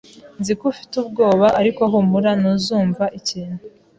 Nzi ko ufite ubwoba, ariko humura, ntuzumva ikintu.